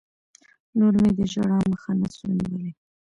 نور مې د ژړا مخه نه سوه نيولى.